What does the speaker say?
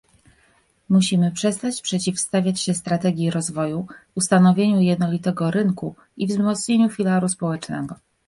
Musimy przestać przeciwstawiać się strategii rozwoju, ustanowieniu jednolitego rynku i wzmocnieniu filaru społecznego